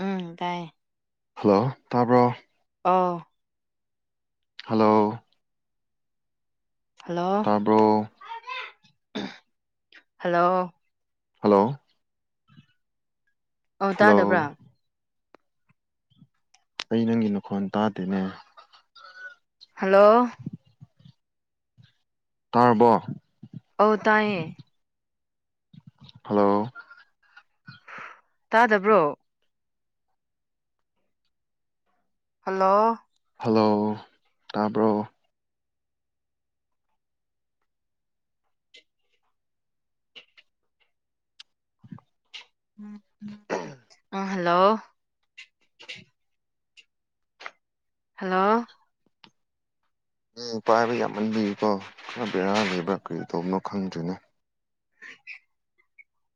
ꯎꯝ ꯇꯥꯏꯌꯦ ꯍꯜꯂꯣ ꯇꯥꯕ꯭ꯔꯣ ꯑꯥ ꯍꯜꯂꯣ ꯍꯜꯂꯣ ꯇꯥꯕ꯭ꯔꯣ ꯍꯜꯂꯣ ꯍꯜꯂꯣ ꯑꯧ ꯍꯜꯂꯣ ꯇꯥꯗꯥꯕ꯭ꯔꯥ ꯑꯩ ꯅꯪꯒꯤ ꯅꯈꯣꯟ ꯇꯥꯗꯦꯅꯦ ꯍꯜꯂꯣ ꯇꯥꯔꯕꯣ ꯑꯣ ꯇꯥꯌꯦ ꯍꯜꯂꯣ ꯇꯥꯗꯥꯕ꯭ꯔꯣ ꯍꯜꯂꯣ ꯍꯜꯂꯣ ꯇꯥꯕ꯭ꯔꯣ ꯎꯝ ꯎꯝ ꯎꯪ ꯍꯜꯂꯣ ꯍꯜꯂꯣ ꯎꯪ ꯄꯥꯏꯕ ꯌꯥꯝꯃꯟꯕꯩꯔꯤꯀꯣ ꯈꯔ ꯕꯦꯔꯥ ꯂꯩꯕ꯭ꯔꯥ ꯀꯔꯤ ꯇꯧꯕꯅꯣ ꯈꯪꯗ꯭ꯔꯤꯅꯦ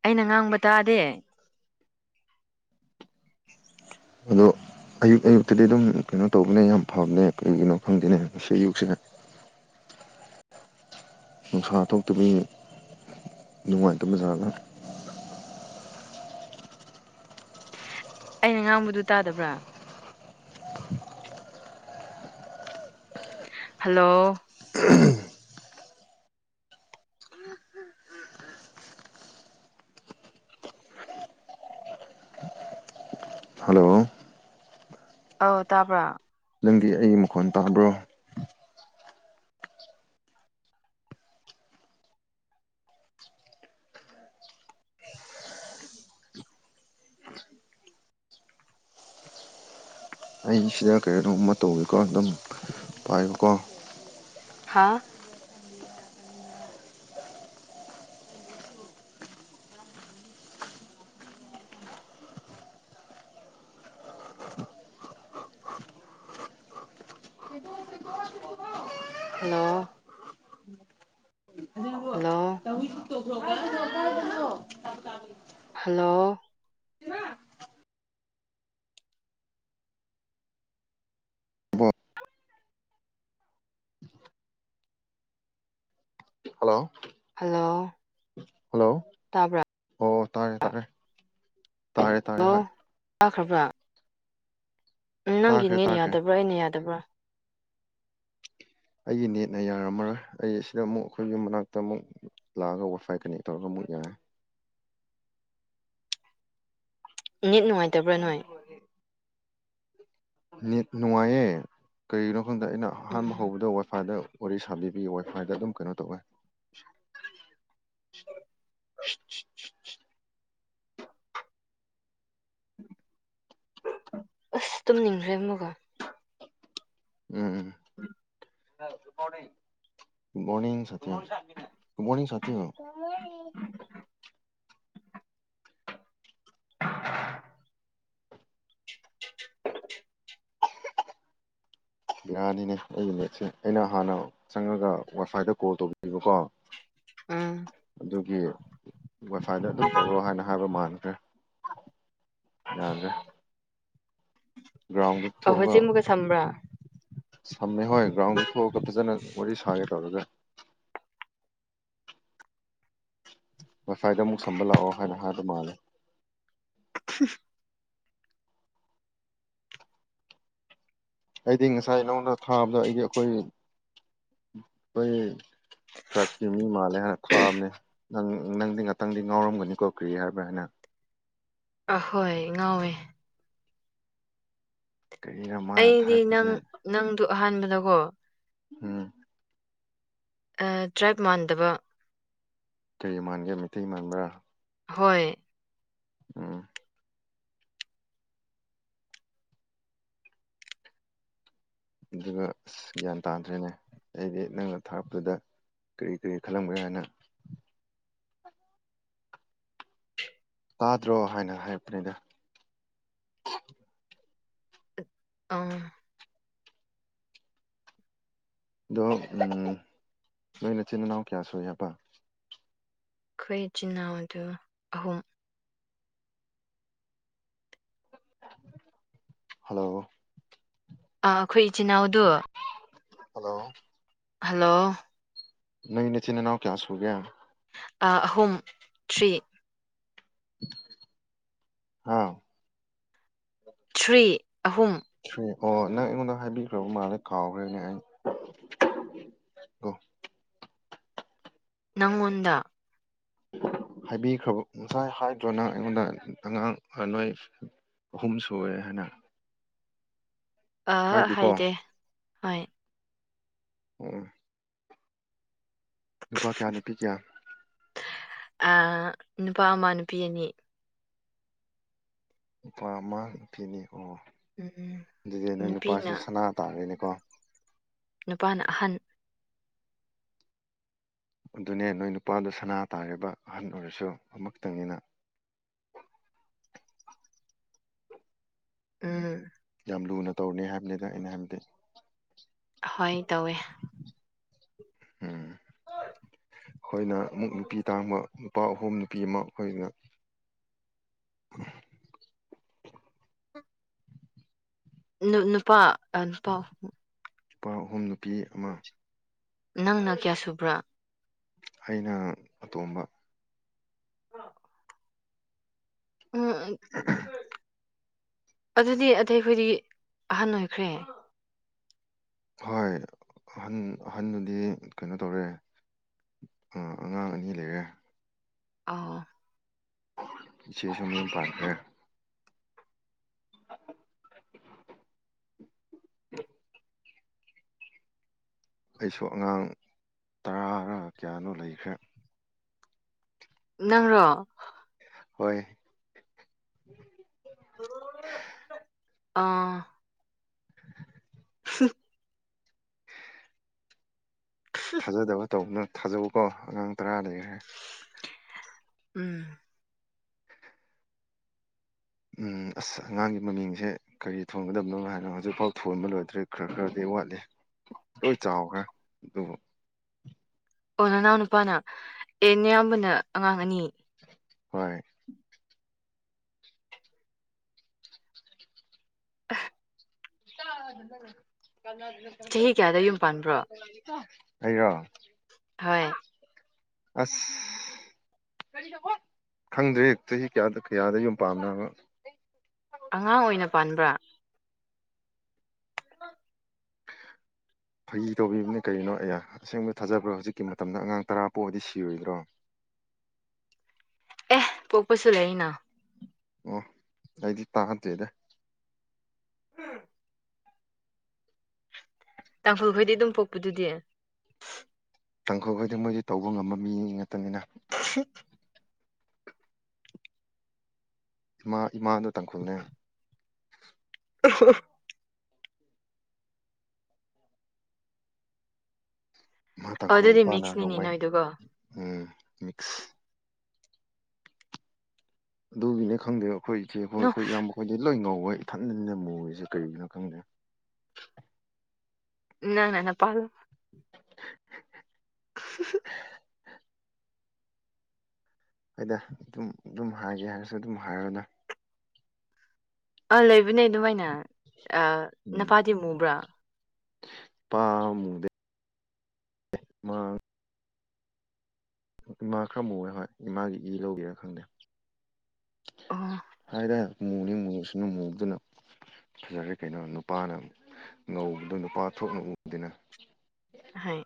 ꯑꯩꯅ ꯉꯥꯡꯕ ꯇꯥꯗꯦ ꯑꯗꯣ ꯑꯌꯨꯛ ꯑꯌꯨꯛꯇꯗꯤ ꯑꯗꯨꯝ ꯀꯩꯅꯣ ꯇꯧꯕꯅꯦ ꯌꯥꯝ ꯐꯕꯅꯦ ꯀꯩꯒꯤꯅꯣ ꯈꯪꯗꯦꯅꯦ ꯁꯤ ꯑꯌꯨꯛꯁꯤꯅ ꯅꯨꯡꯁꯥ ꯊꯣꯛꯇꯥꯕꯒꯤ ꯅꯨꯡꯉꯥꯏꯇꯕꯖꯥꯠꯂꯥ ꯑꯩꯅ ꯉꯥꯡꯕꯗꯨ ꯇꯥꯗꯕ꯭ꯔꯥ ꯍꯜꯂꯣ ꯍꯜꯂꯣ ꯑꯧ ꯇꯥꯕ꯭ꯔꯥ ꯅꯪꯗꯤ ꯑꯩ ꯃꯈꯣꯟ ꯇꯥꯕ꯭ꯔꯣ ꯑꯩꯁꯤꯗ ꯀꯔꯤꯅꯣꯝꯃ ꯇꯧꯋꯀꯣ ꯑꯗꯨꯝ ꯄꯥꯏꯌꯨꯀꯣ ꯍꯥꯥ hello hello [unintelligible] hello hello hello hello ꯇꯥꯕ꯭ꯔ ꯑꯣ ꯇꯥꯔꯦ-ꯇꯥꯔꯦ ꯍꯜꯂꯣ ꯇꯥꯈ꯭ꯔꯕ꯭ꯔꯥ ꯅꯪꯒꯤ ꯇꯥꯈ꯭ꯔꯦ ꯅꯦꯠ ꯇꯥꯈ꯭ꯔꯦ ꯌꯥꯗꯕ꯭ꯔꯥ ꯑꯩꯅ ꯌꯥꯗꯕ꯭ꯔꯥ ꯑꯩꯒꯤ ꯅꯦꯠꯅ ꯌꯥꯔꯝꯃꯔꯣꯏ ꯑꯩ ꯑꯁꯤꯗ ꯑꯃꯨꯛ ꯑꯩꯈꯣꯏꯒꯤ ꯃꯅꯥꯛꯇ ꯑꯃꯨꯛ ꯂꯥꯛꯑꯒ ꯋꯥꯏ ꯐꯥꯏ ꯀꯅꯦꯛ ꯇꯧꯔꯒ ꯑꯃꯨꯛ ꯌꯥꯔꯦ ꯃꯤꯠ ꯅꯨꯡꯉꯥꯏ [inaudible] ꯅꯦꯠ ꯅꯨꯡꯉꯥꯏꯌꯦ ꯀꯔꯤꯒꯤꯅꯣ ꯈꯪꯗ ꯑꯩꯅ ꯑꯍꯥꯟꯕ ꯎꯝ ꯍꯧꯕꯗ ꯋꯥꯏꯐꯥꯏꯗ ꯋꯥꯔꯤ ꯁꯥꯕꯤ ꯋꯥꯏꯐꯥꯏꯗ ꯑꯗꯨꯝ ꯀꯩꯅꯣ ꯇꯧꯋꯦ ꯑꯁ ꯇꯨꯝꯅꯤꯡꯈ꯭ꯔꯦ ꯑꯃꯨꯛꯀꯥ ꯎꯝ [unintelligible] [inaudible] ꯕꯤꯔꯅꯤꯅꯦ ꯑꯩꯒꯤ ꯅꯦꯠꯁꯦ ꯑꯩꯅ ꯍꯥꯟꯅ ꯆꯪꯉꯥꯒ ꯋꯥꯐꯥꯏꯗ ꯀꯣꯜ ꯇꯧꯕꯅꯦꯕꯀꯣ ꯎꯝ ꯑꯗꯨꯒꯤ ꯋꯥꯏꯐꯥꯏꯗ ꯑꯗꯨꯝ ꯇꯧꯔꯣ ꯍꯥꯏꯅ ꯍꯥꯏꯕ ꯃꯥꯟꯈ꯭ꯔꯦ ꯌꯥꯗ꯭ꯔꯦ ꯭ꯒ꯭ꯔꯥꯎꯟꯗ ꯑ ꯊꯣꯛꯒ ꯍꯧꯖꯤꯛ ꯑꯃꯨꯛꯀ ꯁꯝꯕ꯭ꯔꯥ ꯁꯝꯃꯦ ꯍꯣꯏ ꯒ꯭ꯔꯥꯎꯟꯗ ꯊꯣꯛꯑꯒ ꯐꯖꯅ ꯋꯥꯔꯤ ꯁꯥꯒꯦ ꯇꯧꯔꯥꯒ ꯋꯥꯏꯐꯥꯏꯗ ꯑꯃꯨꯛ ꯁꯝꯕ ꯂꯥꯛꯑꯣ ꯍꯥꯏꯅ ꯍꯥꯏꯕ ꯃꯥꯜꯂꯦ [inaudible] ꯑꯩꯗꯤ ꯉꯁꯥꯏ ꯅꯉꯣꯟꯗ ꯊꯥꯕꯗꯣ ꯑꯩꯗꯤ ꯑꯩꯈꯣꯏ ꯈꯣꯏ ꯇ꯭ꯔꯥꯏꯞꯀꯤ ꯃꯤ ꯃꯥꯜ ꯍꯥꯟ ꯊꯥꯕꯅꯦ ꯅꯪ ꯅꯪꯗꯤ ꯉꯥꯛꯇꯪꯗꯤ ꯉꯥꯎꯔꯝꯒꯅꯤꯀꯣ ꯀꯔꯤ ꯍꯥꯏꯕ꯭ꯔꯥ ꯍꯥꯏꯅ ꯑꯍꯣꯏ ꯉꯥꯎꯋꯦ [unintelligible] ꯑꯩꯗꯤ ꯊꯥꯔꯛꯄꯁꯦ ꯅꯪ ꯅꯪꯗꯨ ꯑꯍꯥꯟꯕꯗꯀꯣ ꯎꯝ ꯑꯥ ꯇ꯭ꯔꯥꯏꯞ ꯃꯥꯟꯗꯕ ꯀꯩ ꯃꯥꯟꯒꯦ ꯃꯤꯇꯩ ꯃꯥꯟꯕ꯭ꯔꯥ ꯍꯣꯏ ꯎꯝ ꯑꯗꯨꯒ ꯑꯁ ꯒ꯭ꯌꯥꯟ ꯇꯥꯗ꯭ꯔꯦꯅꯦ ꯑꯩꯗꯤ ꯅꯪꯅ ꯊꯥꯔꯛꯄꯥꯗꯨꯗ ꯀꯔꯤ ꯀꯔꯤ ꯈꯜꯂꯝꯒꯅꯤ ꯍꯥꯏꯅ ꯇꯥꯗ꯭ꯔꯣ ꯍꯥꯏꯅ ꯍꯥꯏꯄꯅꯦꯗ ꯑꯥ ꯑꯗꯣ ꯅꯣꯏꯅ ꯏꯆꯤꯟꯜ ꯏꯅꯥꯎ ꯀꯌꯥ ꯁꯨꯏ ꯍꯥꯏꯕ ꯑꯩꯈꯣꯏ ꯏꯆꯤꯟꯜ ꯏꯅꯥꯎ ꯑꯗꯨ ꯑꯍꯨꯝ ꯍꯜꯂꯣ ꯑꯥ ꯑꯈꯣꯏ ꯏꯆꯤꯟ ꯏꯅꯥꯎꯗꯨ ꯍꯜꯂꯣ ꯍꯜꯂꯣ ꯅ ꯅꯆꯤꯟ ꯏꯅꯥꯎ ꯀꯌꯥꯁꯨꯣꯒ ꯑ ꯑꯍꯨꯝ ꯊ꯭ꯔꯤ ꯍꯥꯎ ꯊ꯭ꯔꯤ ꯑꯍꯨꯝ ꯊ꯭ꯔꯨ ꯑꯣ ꯅꯪ ꯑꯩꯉꯣꯟꯗ ꯍꯥꯏꯕꯤꯈ꯭ꯔꯕ ꯃꯥꯜꯂꯦ ꯀꯥꯎꯒ꯭ꯔꯦꯅꯦ ꯑꯩ ꯑꯣ ꯅꯪꯉꯣꯟꯗ ꯍꯥꯏꯕꯤꯈ꯭ꯔꯕ ꯉꯁꯥꯏ ꯍꯥꯏꯗ꯭ꯔꯣ ꯅꯪ ꯑꯩꯉꯣꯟꯗ ꯑꯉꯥꯡ ꯅꯣꯏ ꯑꯍꯨꯝ ꯁꯨꯋꯦ ꯍꯥꯏꯅ ꯑꯥ ꯍꯥꯏꯗꯤꯀꯣ ꯍꯥꯏꯗꯦ ꯍꯣꯏ ꯎꯝ ꯅꯨꯄꯥ ꯀꯌꯥ ꯅꯨꯄꯤ ꯀꯌꯥ ꯑ ꯅꯨꯄꯥ ꯑꯃ ꯅꯨꯄꯤ ꯑꯅꯤ ꯅꯨꯄꯥ ꯑꯃ ꯅꯨꯄꯤ ꯑꯅꯤ ꯑꯣ ꯎꯝ ꯗꯨꯗꯤ ꯅꯣꯏ ꯅꯨꯄꯥꯁꯦ ꯅꯨꯄꯤꯅ ꯁꯅꯥ ꯇꯥꯔꯦꯅꯦꯀꯣ ꯅꯨꯄꯥꯅ ꯑꯍꯟ ꯑꯗꯨꯅꯦ ꯅꯣꯏ ꯅꯨꯄꯥꯗꯨ ꯁꯅꯥ ꯇꯥꯔꯤꯕ ꯑꯍꯟ ꯑꯣꯏꯔꯁꯨ ꯑꯃꯛꯇꯪꯅꯤꯅ ꯎꯝ ꯌꯥꯝ ꯂꯨꯅ ꯇꯧꯔꯅꯤ ꯍꯥꯏꯕꯅꯤꯗ ꯑꯩꯅ ꯍꯥꯏꯕꯗꯤ ꯍꯣꯏ ꯇꯧꯋꯦ ꯎꯝ ꯑꯩꯈꯣꯏꯅ ꯑꯃꯨꯛ ꯅꯨꯄꯤ ꯇꯥꯡꯕ ꯅꯨꯄꯥ ꯑꯍꯨꯝ ꯅꯨꯄꯤ ꯑꯃ ꯑꯩꯈꯣꯏꯅ ꯅꯨ ꯅꯨꯄꯥ ꯅꯨꯄꯥ ꯅꯨꯄꯥ ꯑꯍꯨꯝ ꯅꯨꯄꯤ ꯑꯃ ꯅꯪꯅ ꯀꯌꯥ ꯁꯨꯕ꯭ꯔꯥ ꯑꯩꯅ ꯑꯇꯣꯝꯕ ꯎꯝ ꯑꯗꯨꯗꯤ ꯑꯇꯩꯈꯗꯤ ꯑꯍꯟ ꯑꯣꯏꯈ꯭ꯔꯦ ꯍꯣꯏ ꯑꯍꯟ ꯑꯍꯟꯅꯗꯤ ꯀꯩꯅꯣ ꯇꯧꯔꯦ ꯑ ꯑꯉꯥꯡ ꯑꯅꯤ ꯂꯩꯔꯦ ꯑꯥꯎ ꯁꯤꯦꯁꯝ ꯄꯥꯏ [unintelligible] ꯑꯩꯁꯨ ꯑꯉꯥꯡ ꯇꯔꯥꯔꯥ ꯀꯌꯥꯅꯣ ꯂꯩꯈ꯭ꯔꯦ ꯅꯪꯔꯣ ꯍꯣꯏ ꯑꯥ [inaudible] [unintelligible] [unintelligible] ꯊꯥꯖꯗꯕ ꯇꯧꯕꯅ ꯊꯥꯖꯎꯀꯣ ꯑꯉꯥꯡ ꯇꯔꯥꯗꯒꯤ ꯍꯥꯏꯔ ꯎꯝ ꯎꯝ ꯑꯁ ꯑꯉꯥꯡꯒꯤ ꯃꯃꯤꯡꯁꯦ ꯀꯥꯔꯤ ꯊꯣꯟꯒꯗꯕꯅꯣ ꯍꯥꯏꯅꯣ ꯍꯧꯖꯤꯛꯐꯥꯎ ꯊꯣꯟꯕ ꯂꯣꯏꯗ꯭ꯔꯤ ꯈꯔ ꯈꯔꯗꯤ ꯋꯥꯠꯂꯤ ꯂꯣꯏ ꯆꯥꯎꯈ꯭ꯔꯦ ꯗꯨꯕꯨ ꯑꯣ ꯅꯅꯥꯎ ꯅꯨꯄꯥꯅ ꯑꯦ ꯑꯌꯥꯝꯕꯅ ꯑꯉꯥꯡ ꯑꯅꯤ ꯍꯣꯏ [unintelligible] ꯆꯍꯤ ꯀꯌꯥꯗ ꯌꯨꯝ ꯄꯥꯟꯕ꯭ꯔꯣ [unintelligible] ꯑꯩꯔꯣ ꯍꯣꯏ ꯍꯥ ꯑꯁ [unintelligible] ꯈꯪꯗ꯭ꯔꯦ ꯆꯍꯤ ꯀꯌꯥꯗ ꯀꯌꯥꯗ ꯌꯨꯝ ꯄꯥꯟꯅꯕ ꯑꯉꯥꯡ ꯑꯣꯏꯅ ꯄꯥꯟꯕ꯭ꯔꯥ ꯐꯩ ꯇꯧꯕꯤꯕꯅ ꯀꯔꯤꯅꯣ ꯑꯩꯌꯥ ꯑꯁꯦꯡꯕ ꯊꯥꯖꯕ꯭ꯔꯣ ꯍꯧꯖꯤꯛꯀꯤ ꯃꯇꯝꯗ ꯑꯉꯥꯡ ꯇꯔꯥ ꯄꯣꯛꯗꯤ ꯁꯤꯔꯣꯏꯗ꯭ꯔꯣ ꯑꯦꯍ ꯄꯣꯛꯄꯁꯨ ꯂꯩꯏꯅ ꯑꯣ ꯑꯩꯗꯤ ꯇꯥꯗꯦꯗ ꯎꯝ ꯇꯥꯡꯈꯨꯜ ꯈꯣꯏꯗꯤ ꯑꯗꯨꯝ ꯄꯣꯛꯄꯗꯨꯗꯤ ꯇꯥꯡꯈꯈꯩꯗꯤ ꯃꯣꯏꯗꯤ ꯇꯧꯕ ꯉꯝꯕ ꯃꯤ ꯅꯠꯇꯅꯤꯅ [unintelligible] ꯏꯃꯥ ꯏꯃꯥꯗ ꯇꯥꯡꯈꯨꯜꯅꯦ [unintelligible] ꯃꯥ ꯑꯣ ꯇꯥꯡꯈꯨꯜ ꯑꯗꯨꯗꯤ ꯏꯄꯥꯅ ꯃꯤꯛꯁꯅꯤꯅꯦ ꯔꯣꯡꯃꯩ ꯅꯣꯏꯗꯨꯒꯣ ꯎꯝ ꯃꯤꯛꯁ ꯑꯗꯨꯒꯤꯅꯦ ꯈꯪꯗꯦ ꯑꯩꯈꯣꯏꯁꯦ ꯍꯣꯏ ꯑꯩꯈꯣꯏ ꯏꯌꯥꯝ ꯃꯈꯈꯣꯏꯗꯤ ꯂꯣꯏ ꯉꯧꯋꯦ ꯏꯊꯟ ꯏꯟꯅ ꯃꯨꯔꯤꯁꯦ ꯀꯔꯤꯒꯤꯅꯣ ꯈꯪꯗꯦ ꯅꯪꯅ ꯅꯄꯥꯂꯣ [unintelligible] ꯑꯩꯗ ꯑꯗꯨꯝ ꯑꯗꯨꯝ ꯍꯥꯏꯒꯦ ꯍꯥꯏꯔꯁꯨ ꯑꯗꯨꯝ ꯍꯥꯏꯔꯅꯨ ꯑꯥ ꯂꯩꯕꯅꯦ ꯑꯗꯨꯃꯥꯏꯅ ꯑꯥ ꯅꯀꯥꯗꯤ ꯃꯨꯕ꯭ꯔꯥ ꯄꯥꯃꯨꯗ ꯃꯥꯥꯡ ꯏꯃꯥ ꯈꯔ ꯃꯨ ꯍꯥꯏꯦ ꯏꯃꯥꯒꯤ ꯏ ꯂꯧꯔꯤꯔꯥ ꯈꯪꯗꯦ ꯑꯣ ꯍꯥꯏꯔꯦ ꯃꯨꯅꯤ ꯃꯨꯁꯨ ꯃꯨꯗꯅ ꯐꯖꯔꯦ ꯀꯩꯅꯣ ꯅꯨꯄꯥꯅ ꯉꯧꯕꯗꯨ ꯅꯨꯄꯥ ꯊꯣꯛꯅ ꯎꯗꯦꯅ ꯑꯍꯩ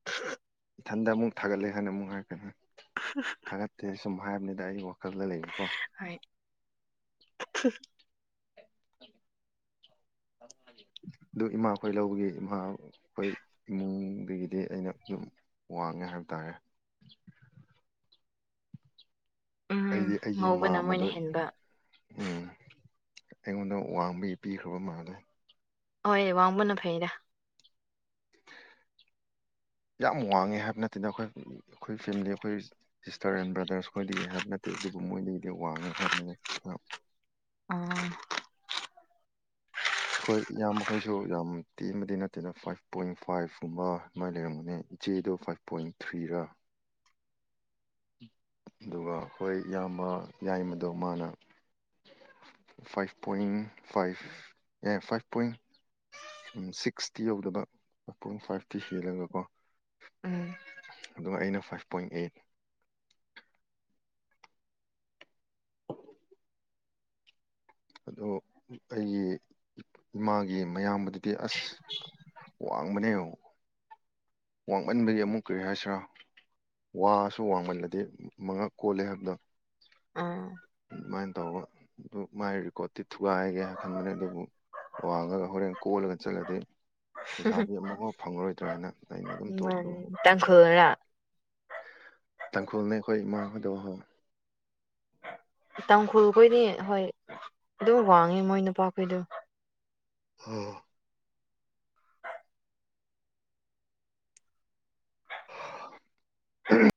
ꯎ [inaudible] ꯊꯟꯗ ꯑꯃꯨꯛ ꯊꯥꯒꯠꯂꯦ ꯍꯥꯏꯅ ꯑꯃꯨꯛ ꯍꯥꯏꯔꯛꯀꯅꯤ [unintelligible] ꯊꯥꯒꯠꯇꯦ ꯁꯨꯝ ꯍꯥꯏꯕꯅꯤꯗ ꯑꯩ ꯋꯥꯈꯜꯗ ꯂꯩꯕꯀꯣ ꯑꯥꯏꯠ [unintelligible] ꯑꯗꯨ ꯏꯃꯥꯈꯣꯏ ꯂꯧꯕꯒꯤ ꯏꯃꯥꯈꯣꯏ ꯏꯃꯨꯡꯗꯒꯤꯗꯤ ꯑꯩꯅ ꯗꯨꯝ ꯋꯥꯡꯉꯦ ꯍꯥꯏꯕ ꯇꯥꯔꯦ ꯎꯝ ꯑꯩꯗꯤ ꯑꯩꯒꯤ ꯏꯃꯥ ꯉꯧꯕꯅ ꯃꯣꯏꯅ ꯃꯗ ꯍꯦꯟꯕ ꯎꯝ ꯑꯩꯉꯣꯟꯗ ꯋꯥꯡꯕꯒꯤ ꯄꯤꯈ꯭ꯔꯕ ꯃꯥꯜꯂꯦ ꯍꯣꯏ ꯋꯥꯡꯕꯅ ꯐꯩꯔ [inaudible] ꯌꯥꯝ ꯋꯥꯡꯉꯦ ꯍꯥꯏꯕ ꯅꯠꯇꯦꯗ ꯑꯩꯈꯣꯏ ꯑꯩꯈꯣꯏ ꯐꯦꯃꯤꯂꯤ ꯑꯩꯈꯣꯏ ꯁꯤꯁꯇꯔ ꯑꯦꯟ ꯕ꯭ꯔꯥꯗꯔꯁ ꯈꯣꯏꯗꯒꯤ ꯍꯥꯏꯕ ꯅꯠꯇꯦ ꯑꯗꯨꯕꯨ ꯃꯣꯏꯗꯒꯤꯗꯤ ꯋꯥꯡꯉꯦ ꯍꯥꯏꯕꯅꯤꯅ ꯑꯥ ꯑꯩꯈꯣꯏ ꯏꯌꯥꯝ ꯃꯈꯈꯣꯏꯁꯨ ꯌꯥꯝ ꯇꯦꯟꯕꯗꯤ ꯅꯠꯇꯦꯅ ꯐꯥꯏꯚ ꯄꯣꯏꯟ ꯐꯥꯏꯚ ꯀꯨꯝꯕ ꯃꯥꯏ ꯂꯩꯔꯝꯒꯅꯤ ꯆꯤꯗꯣ ꯐꯥꯏꯚ ꯄꯣꯏꯟ ꯊ꯭ꯔꯤꯔꯥ ꯗꯨꯒ ꯍꯣꯏ ꯏꯌꯥꯝꯕ ꯌꯥꯏꯃꯗꯣ ꯃꯥꯅ ꯐꯥꯏꯚ ꯄꯣꯏꯟꯅꯤ ꯐꯥꯏꯚ ꯑꯦ ꯐꯥꯏꯚ ꯄꯨꯏꯟ ꯁꯤꯛꯁꯇꯤ ꯌꯧꯗꯕ ꯃꯄꯨꯡ ꯐꯥꯏ ꯐꯇꯤ ꯍꯦꯜꯂꯒꯀꯣ ꯎꯝ ꯑꯗꯨꯒ ꯑꯩꯅ ꯐꯥꯏꯚ ꯄꯣꯏꯟ ꯑꯩꯠ ꯑꯗꯣ ꯑꯩꯒꯤ ꯏꯃꯥꯒꯤ ꯃꯌꯥꯝꯕꯗꯨꯗꯤ ꯑꯁ ꯋꯥꯡꯕꯅꯦ ꯋꯥꯡꯃꯟꯕꯒꯤ ꯑꯃꯨꯛ ꯀꯔꯤ ꯍꯥꯏꯁꯤꯔꯥ ꯋꯥꯁꯨ ꯋꯥꯡꯃꯜꯂꯗꯤ ꯃꯉꯛ ꯀꯣꯜꯂꯦ ꯍꯥꯏꯕꯗꯣ ꯑꯥ ꯑꯗꯨꯃꯥꯏꯅ ꯇꯧꯕ ꯑꯗꯨ ꯃꯥꯏ ꯔꯦꯀꯣꯔꯠꯇꯤ ꯊꯨꯒꯥꯏꯒꯦ ꯈꯟꯕꯅꯦ ꯑꯗꯨꯕꯨ ꯋꯥꯡꯉꯒ ꯍꯣꯔꯦꯟ ꯀꯣꯜꯂꯒ ꯆꯠꯂꯗꯤ ꯂꯩꯁꯥꯕꯤ ꯑꯃꯨꯛꯐꯥꯎ ꯐꯪꯉꯔꯣꯏꯗ꯭ꯔꯥ ꯍꯥꯏꯅ ꯑꯩꯅ ꯑꯗꯨꯝ ꯃꯟ ꯇꯣꯛꯈ꯭ꯔꯕ ꯇꯥꯡꯈꯨꯜꯔꯥ ꯇꯥꯡꯈꯨꯜꯅꯦ ꯑꯩꯈꯣꯏ ꯏꯃꯥꯍꯥꯏꯗꯣ ꯍꯣ ꯇꯥꯡꯈꯨꯜꯈꯣꯏꯗꯤ ꯍꯣꯏ ꯑꯗꯨꯝ ꯋꯥꯡꯉꯦ ꯃꯣꯏ ꯅꯨꯄꯥꯈꯣꯏꯗꯨ ꯑꯣ ꯎꯝ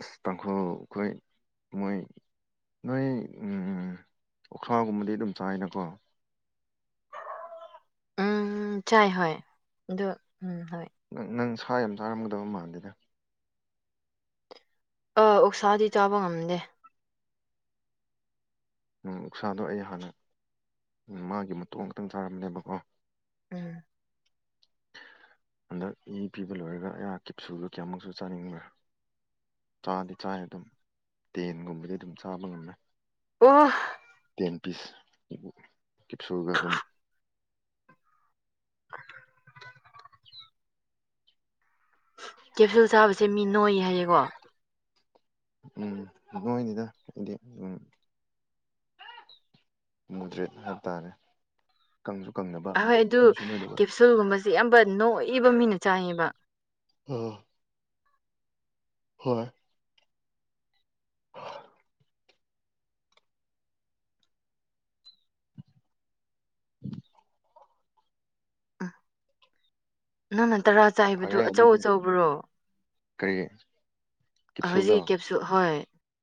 ꯑꯁ ꯇꯥꯡꯈꯨꯜ ꯈꯣꯏ ꯃꯣꯏ ꯅꯣꯏ ꯎꯝ ꯑꯣꯛꯁꯥꯒꯨꯝꯕꯗꯤ ꯑꯗꯨꯝ ꯆꯥꯏꯅꯀꯣ ꯎꯝ ꯆꯥꯏ ꯍꯣꯏ ꯑꯗꯣ ꯎꯝ ꯍꯣꯏ ꯅꯪ ꯅꯪ ꯁꯥ ꯌꯥꯝ ꯆꯥꯔꯝꯒꯗꯕ ꯃꯥꯟꯗꯦꯗ ꯑ ꯑꯣꯛꯁꯥꯗꯤ ꯆꯥꯕ ꯉꯝꯗꯦ ꯎꯝ ꯑꯣꯛꯁꯥꯗꯣ ꯑꯩ ꯍꯥꯟꯅ ꯃꯥꯒꯤ ꯃꯇꯣꯡ ꯉꯇꯪ ꯆꯥꯔꯝꯕꯅꯦꯕꯀꯣ ꯎꯝ ꯍꯟꯗꯛ ꯏ ꯄꯤꯕ ꯂꯣꯏꯔꯒ ꯑꯩꯍꯥꯛ ꯀꯦꯞꯁꯨꯜꯗꯨ ꯀꯌꯥꯃꯨꯛꯁꯨ ꯆꯥꯅꯤꯡꯕ꯭ꯔꯥ ꯄꯥꯗꯤ ꯆꯥꯏ ꯑꯗꯨꯝ ꯇꯦꯟꯒꯨꯝꯕꯗꯤ ꯑꯗꯨꯝ ꯆꯥꯕ ꯉꯝꯃꯦ ꯑꯣ ꯇꯦꯟ ꯄꯤꯁ ꯀꯦꯞꯁꯦꯜꯒ ꯑꯗꯨꯝ ꯀꯦꯞꯁꯨꯜ ꯆꯥꯕꯁꯦ ꯃꯤ ꯅꯣꯏ ꯍꯥꯏꯌꯦꯀꯣ ꯎꯝ ꯅꯣꯏꯅꯤꯗ ꯏꯗꯤ ꯎꯝ ꯃꯨꯗ꯭ꯔꯦꯠ ꯍꯥꯏꯕꯇꯥꯥꯔꯦ ꯀꯪꯁꯨ ꯀꯪꯗꯕ ꯅꯣꯏꯁꯨ ꯅꯣꯏꯗꯕ ꯁꯨꯜꯒꯨꯝꯕꯁꯤ ꯌꯥꯝꯕ ꯅꯣꯏꯕ ꯃꯤꯅ ꯆꯥꯏꯌꯦꯕ ꯍ ꯍꯣꯏ ꯍ [inaudible] ꯎꯝ ꯅꯪꯅ ꯇꯔꯥ ꯆꯥꯏꯕꯗꯨ ꯐꯔꯦ ꯑꯆꯧ ꯑꯗꯨꯗꯤ ꯑꯆꯧꯕ꯭ꯔꯣ ꯀꯔꯤ ꯀꯦꯞꯁꯨꯜꯗꯣ ꯍꯧꯖꯤꯛ ꯀꯦꯞ ꯁꯨ ꯍꯣꯏ